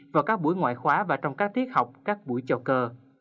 vào các buổi ngoại khóa và trong các tiết học các buổi chào cơ